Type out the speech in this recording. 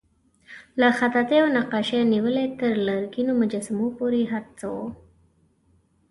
له خطاطۍ او نقاشۍ نیولې تر لرګینو مجسمو پورې هر څه وو.